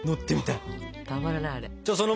たまらないあれ。